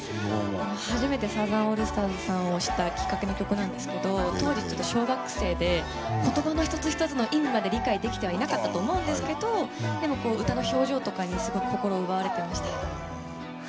初めてサザンオールスターズさんを知ったきっかけの曲なんですけど当時、小学生で言葉の１つ１つの意味まで理解できてなかったんですがでも歌の表情とかにすごく心を奪われてました。